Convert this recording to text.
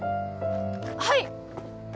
はい！